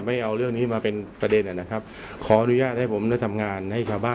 ไม่ได้มีอะไรเป็นความลับ